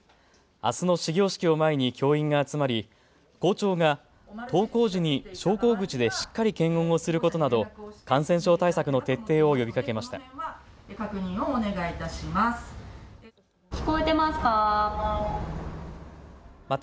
あすの始業式を前に教員が集まり校長が登校時に昇降口でしっかり検温をすることなど感染症対策の徹底を呼びかけました。